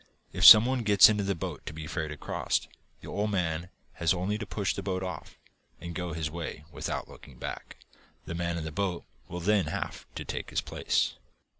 If some one gets into the boat to be ferried across, the old man has only to push the boat off, and go his way without looking back. The man in the boat will then have to take his place.